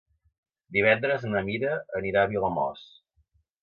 Divendres na Mira anirà a Vilamòs.